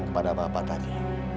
kepada bapak tadi